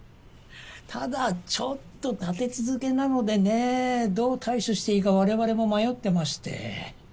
ただちょっと立て続けなのでねどう対処していいか我々も迷ってまして。